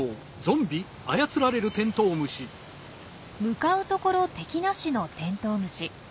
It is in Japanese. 向かうところ敵なしのテントウムシ。